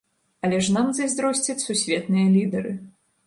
Але ж нам зайздросцяць сусветныя лідары.